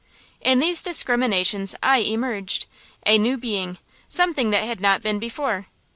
In these discriminations I emerged, a new being, something that had not been before.